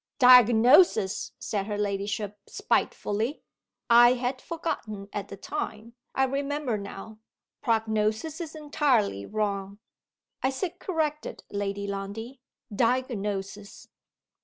"Diagnosis!" said her ladyship, spitefully. "I had forgotten at the time I remember now. Prognosis is entirely wrong." "I sit corrected, Lady Lundie. Diagnosis."